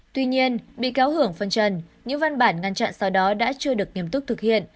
tuy nhiên bị cáo hưởng phân trần những văn bản ngăn chặn sau đó đã chưa được nghiêm túc thực hiện